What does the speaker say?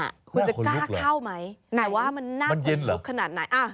คุณจะกล้าเข้าไหมแต่ว่ามันหน้าคนลุกขนาดไหน